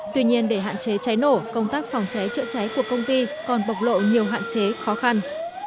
tuy nhiên để hạn chế cháy nổ công tác phòng cháy chữa cháy của công ty còn bộc lộ nhiều hạn chế khó khăn